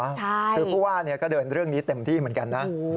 ก็เดินขี่เต็มที่เรื่องนี้เหมือนกันนะ